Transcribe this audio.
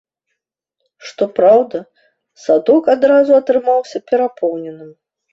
Што праўда, садок адразу атрымаўся перапоўненым.